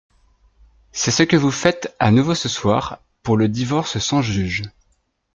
C’est ce que vous faites à nouveau ce soir pour le divorce sans juge.